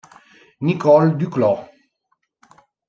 Nicole Duclos